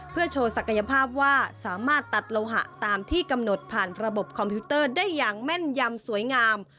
เพื่อโชว์ศักยภาพว่าสามารถตัดโลหะตามที่กำหนดผ่านระบบคอมพิวเตอร์ได้อย่างแม่นยำสวยงาม